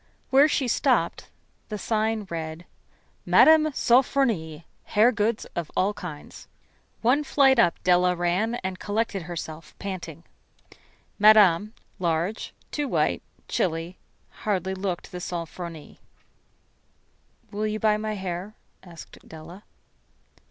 Where she stopped the sign read: "Mme. Sofronie, Hair Goods of All Kinds." One flight up Della ran, and collected herself, panting. Madame, large, too white, chilly, hardly looked the "Sofronie." "Will you buy my hair?" asked Della.